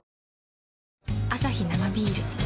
アサヒ生ビール